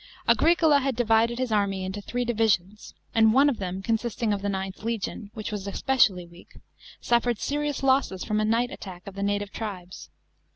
Auricola had divided his army into three divisions, and one of them, consisting of the IXth legion, which was especially weak, suffered S"rious losses from a night attack of the native tribes.